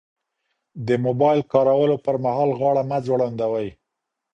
د موبایل کارولو پر مهال غاړه مه ځوړندوئ.